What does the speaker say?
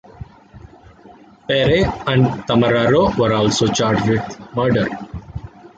Pere and Tamararo were also charged with murder.